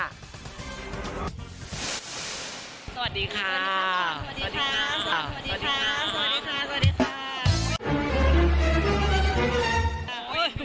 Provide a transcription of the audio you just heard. สวัสดีค่ะ